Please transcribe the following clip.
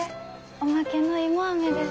おまけの芋アメです。